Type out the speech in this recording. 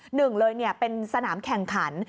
หนึ่งเลยเป็นสนามแข่งขัน